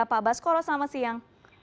pak bas koro selamat siang